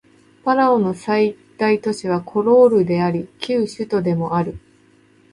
パラオの最大都市はコロールであり旧首都でもある